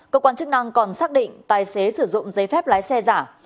cơ quan chức năng còn xác định tài xế sử dụng giấy phép lái xe giả